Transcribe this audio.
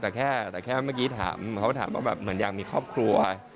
แต่แค่เมื่อกี้ถามเขาถามว่าแบบเหมือนอยากมีครอบครัว